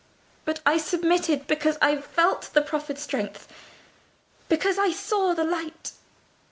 But I submitted because I felt the proffered strength—because I saw the light.